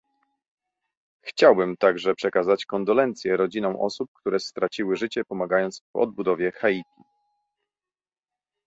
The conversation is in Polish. Chciałbym także przekazać kondolencje rodzinom osób, które straciły życie pomagając w odbudowie Haiti